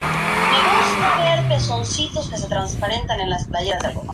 Incluye igualmente los pasteles.